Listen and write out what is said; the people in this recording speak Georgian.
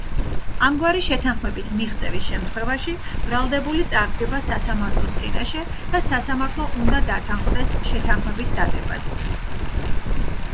ამგვარი შეთანხმების მიღწევის შემთხვევაში ბრალდებული წარდგება სასამართლოს წინაშე და სასამართლო უნდა დათანხმდეს შეთანხმების დადებას.